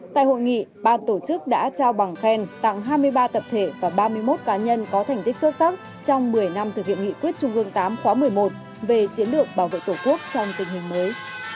tại hội nghị ban tổ chức đã trao bằng khen tặng hai mươi ba tập thể và ba mươi một cá nhân có thành tích xuất sắc trong một mươi năm thực hiện nghị quyết trung ương tám khóa một mươi một về chiến lược bảo vệ tổ quốc trong tình hình mới